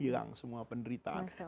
hilang semua penderitaan